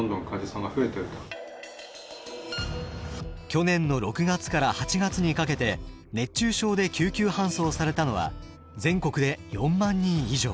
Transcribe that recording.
去年の６月から８月にかけて熱中症で救急搬送されたのは全国で４万人以上。